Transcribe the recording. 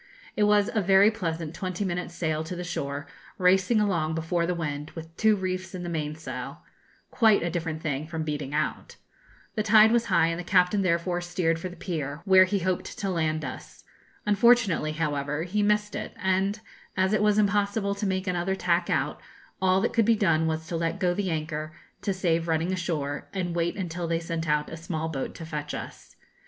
It was a very pleasant twenty minutes' sail to the shore, racing along before the wind, with two reefs in the mainsail quite a different thing from beating out. The tide was high, and the captain therefore steered for the pier, where he hoped to land us. Unfortunately, however, he missed it; and as it was impossible to make another tack out, all that could be done was to let go the anchor to save running ashore, and wait until they sent out a small boat to fetch us.